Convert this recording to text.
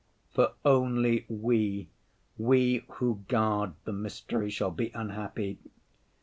For only we, we who guard the mystery, shall be unhappy.